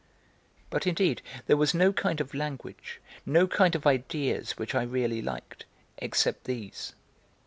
But indeed there was no kind of language, no kind of ideas which I really liked, except these.